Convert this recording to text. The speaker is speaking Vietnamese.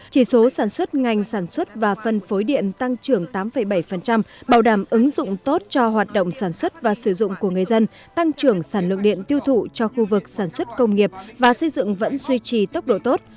chỉ số sản xuất ngành sản xuất và phân phối điện tăng trưởng tám bảy bảo đảm ứng dụng tốt cho hoạt động sản xuất và sử dụng của người dân tăng trưởng sản lượng điện tiêu thụ cho khu vực sản xuất công nghiệp và xây dựng vẫn duy trì tốc độ tốt